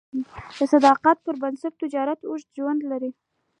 د صداقت پر بنسټ تجارت اوږد ژوند لري.